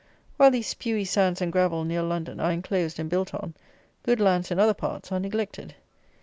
While these spewy sands and gravel near London are enclosed and built on, good lands in other parts are neglected.